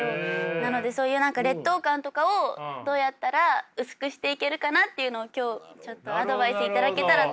なのでそういう何か劣等感とかをどうやったら薄くしていけるかなっていうのを今日ちょっとアドバイスいただけたらと。